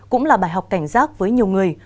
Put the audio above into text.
cũng là bài học cảnh giác với nhiều người